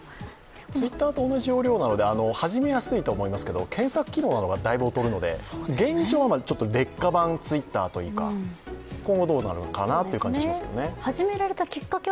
Ｔｗｉｔｔｅｒと同じ要領なのでだいぶ始めやすいですけども、検索機能などがだいぶ劣るので、現状は劣化版Ｔｗｉｔｔｅｒというか今後どうなるのかなという感じがしますけれどもね。